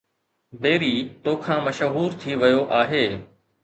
بيري تو کان مشهور ٿي ويو آهي